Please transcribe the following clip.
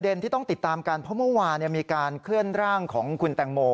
ที่ต้องติดตามกันเพราะเมื่อวานมีการเคลื่อนร่างของคุณแตงโม